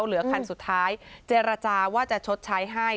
เหลือคันสุดท้ายเจรจาว่าจะชดใช้ให้